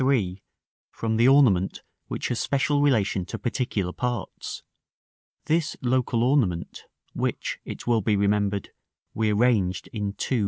from the ornament which has special relation to particular parts. This local ornament, which, it will be remembered, we arranged in § II.